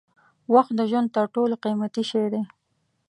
وخت د ژوند تر ټولو قیمتي شی دی.